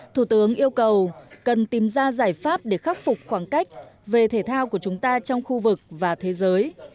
thủ tướng yêu cầu cần tìm ra giải pháp để khắc phục khoảng cách về thể thao của chúng ta trong khu vực và thế giới